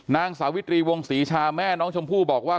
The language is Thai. นางสาวิตรีวงศรีชาแม่น้องชมพู่บอกว่า